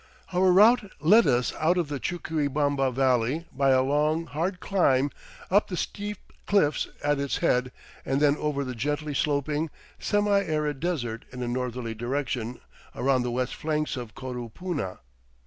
Our route led us out of the Chuquibamba Valley by a long, hard climb up the steep cliffs at its head and then over the gently sloping, semi arid desert in a northerly direction, around the west flanks of Coropuna.